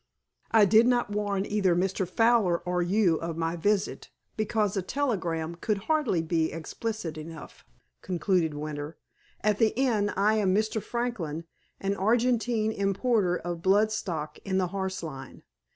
"I did not warn either Mr. Fowler or you of my visit because a telegram could hardly be explicit enough," concluded Winter. "At the inn I am Mr. Franklin, an Argentine importer of blood stock in the horse line.